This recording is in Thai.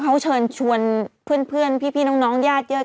เขาเชิญชวนเพื่อนพี่น้องญาติเยอะ